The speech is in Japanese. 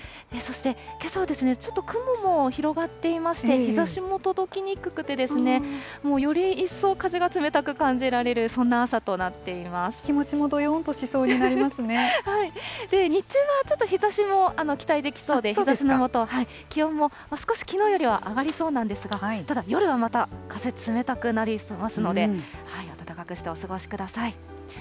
そしてけさは、ちょっと雲も広がっていまして、日ざしも届きにくくてですね、もうより一層、風が冷たく感じられる、そんな朝とな気持ちもどよんとしそうにな日中はちょっと日ざしも期待できそうで、日ざしの下、気温も少しきのうよりは上がりそうなんですが、ただ夜はまた風冷たくなりますので、暖かくしてお過ごしください。